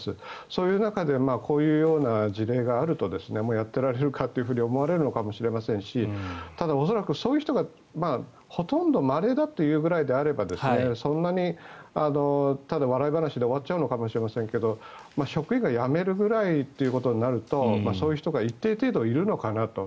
そういう中でこういう事例があるとやってられるかと思われるのかもしれませんしただ、恐らくそういう人がほとんどまれだというぐらいであればそんなに、ただ笑い話で終わっちゃうのかもしれませんが職員が辞めるぐらいということになるとそういう人が一定程度いるのかなと。